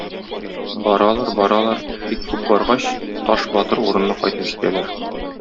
Баралар, баралар, бик күп баргач, Таш батыр урынына кайтып җитәләр.